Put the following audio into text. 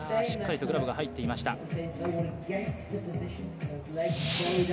しっかりとグラブが入っていました。